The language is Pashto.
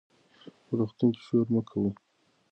په روغتون کې شور مه کوئ.